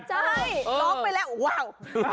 ใช่ร้องไปแล้วว้าว